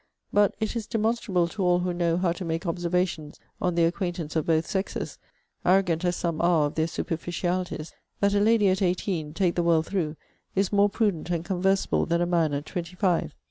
But it is demonstrable to all who know how to make observations on their acquaintance of both sexes, arrogant as some are of their superficialities, that a lady at eighteen, take the world through, is more prudent and conversable than a man at twenty five.